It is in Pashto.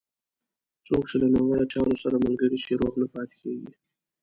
څوک چې له ناوړه چارو سره ملګری شي، روغ نه پاتېږي.